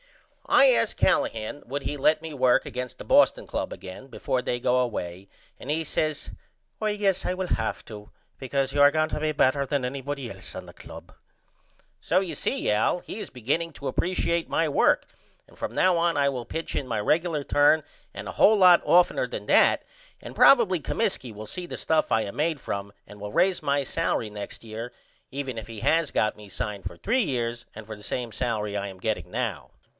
I asked Callahan would he let me work against the Boston Club again before they go away and he says I guess I will have to because you are going better than anybody else on the club. So you see Al he is beginning to appresiate my work and from now on I will pitch in my regular turn and a hole lot offtener then that and probily Comiskey will see the stuff I am made from and will raise my salery next year even if he has got me signed for 3 years and for the same salery I am getting now.